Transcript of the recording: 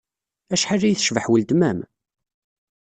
Acḥal ay tecbeḥ weltma-m!